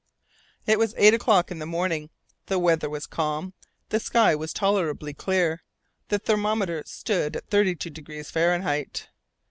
It was eight o'clock in the morning; the weather was calm; the sky was tolerably clear; the thermometer stood at thirty two degrees Fahrenheit.